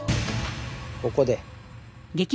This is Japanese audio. ここで。